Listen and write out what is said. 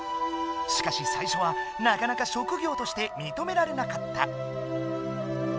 しかし最初はなかなか職業として認められなかった。